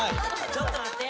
ちょっとまって。